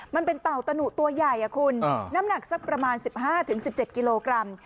มันเป็นเต่าตะหนุตัวใหญ่คุณน้ำหนักสักประมาณ๑๕๑๗กิโลกรัม